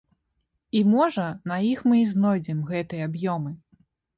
І, можа, на іх мы і знойдзем гэтыя аб'ёмы.